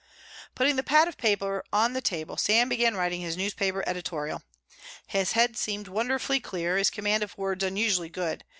Putting the pad of paper on the table Sam began writing his newspaper editorial. His head seemed wonderfully clear, his command of words unusually good.